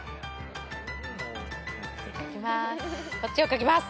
書きます。